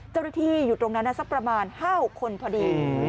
เจ้าหน้าที่อยู่ตรงนั้นสักประมาณ๕๖คนพอดี